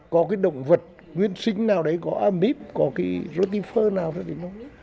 có cái động vật nguyên sinh nào đấy có amip có cái rotifer nào đó